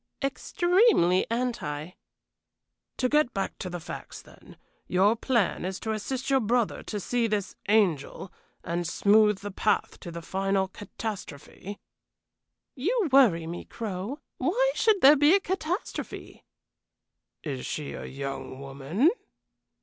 "Extremely anti." "To get back to facts, then, your plan is to assist your brother to see this 'angel,' and smooth the path to the final catastrophe." "You worry me, Crow. Why should there be a catastrophe?" "Is she a young woman?"